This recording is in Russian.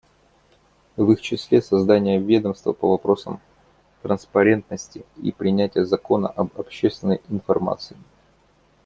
В их числе создание ведомства по вопросам транспарентности и принятие закона об общественной информации.